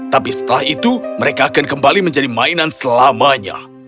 tapi setelah itu mereka akan kembali menjadi mainan selamanya